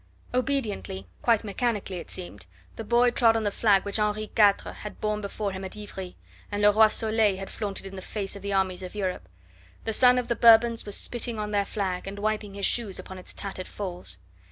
Obediently, quite mechanically it seemed, the boy trod on the flag which Henri IV had borne before him at Ivry, and le Roi Soleil had flaunted in the face of the armies of Europe. The son of the Bourbons was spitting on their flag, and wiping his shoes upon its tattered folds.